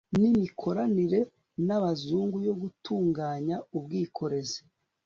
n imikoranire n abazungu yo gutunganya ubwikorezi